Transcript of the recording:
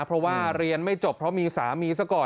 เพราะว่าเรียนไม่จบเพราะมีสามีซะก่อน